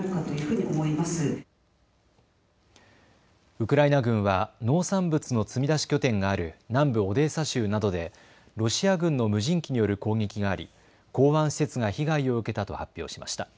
ウクライナ軍は農産物の積み出し拠点がある南部オデーサ州などでロシア軍の無人機による攻撃があり港湾施設が被害を受けたと発表しました。